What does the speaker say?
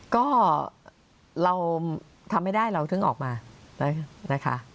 ก็เราทำไม่ได้เราถึงออกมานะคะ